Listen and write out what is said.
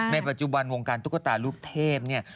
ในปัจจุบันวงการตุ๊กตาลูกเทพเนี่ย